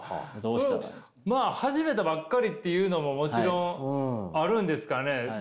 まあ始めたばっかりっていうのももちろんあるんですかね。